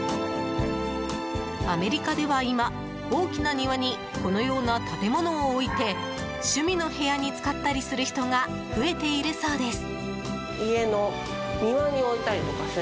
アメリカでは今、大きな庭にこのような建物を置いて趣味の部屋に使ったりする人が増えているそうです。